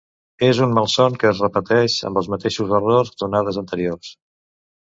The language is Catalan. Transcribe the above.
És un malson que es repeteix, amb els mateixos errors d’onades anteriors.